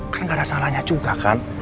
kan nggak ada salahnya juga kan